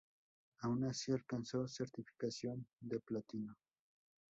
Aun así, alcanzó certificación de platino.